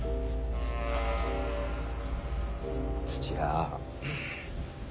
土屋。